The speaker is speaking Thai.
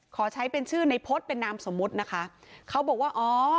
ขอใช้เป็นชื่อในพจน์เป็นนามสมมุตินะคะเขาบอกว่าอ๋อ